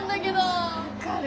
分かる。